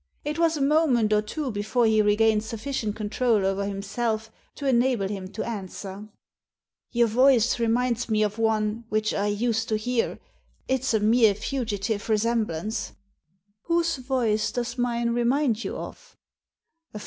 It was a moment or two before he regained sufficient control over himself to enable him to answer, "Your voice reminds me of one which I used to hear. It's a mere fugitive resemblance." "Whose voice does mine remind you of?"